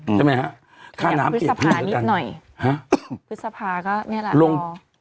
ใช่ไหมฮะค่าน้ำพฤษภานิดหน่อยฮะพฤษภาก็เนี่ยแหละลง